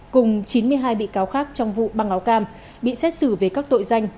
cùng chín mươi hai bị cáo khác trong vụ băng áo cam bị xét xử về các tội danh